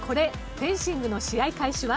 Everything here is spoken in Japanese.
フェンシングの試合開始は？